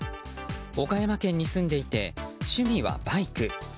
岡山県に住んでいて趣味はバイク。